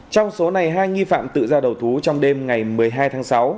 trong số này hai nghi phạm tự ra đầu thú trong đêm ngày một mươi hai tháng sáu